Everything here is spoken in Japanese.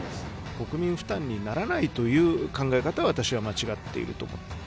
国民負担にならないという考え方は、私は間違っていると。